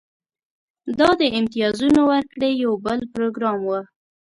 دا د امتیازونو ورکړې یو بل پروګرام و